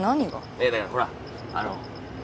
いやだからほらあの。